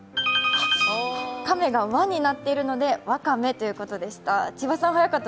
亀が輪になっているのでわかめということでした。